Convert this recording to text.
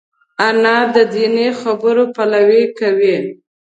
انا د دیني خبرو پلوي ده